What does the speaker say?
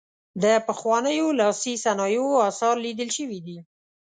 د پخوانیو لاسي صنایعو اثار لیدل شوي دي.